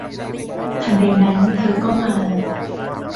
ทันใดนั้นเธอก็มา